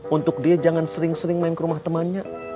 untuk dia jangan sering sering main ke rumah temannya